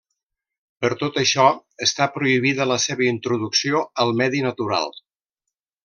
Per tot això està prohibida la seva introducció al medi natural.